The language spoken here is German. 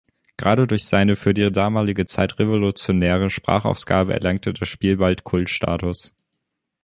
Gerade durch seine für die damalige Zeit revolutionäre Sprachausgabe erlangte das Spiel bald Kultstatus.